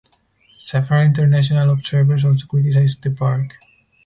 Several international observers also criticized the park.